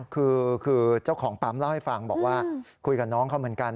คือเจ้าของปั๊มเล่าให้ฟังบอกว่าคุยกับน้องเขาเหมือนกัน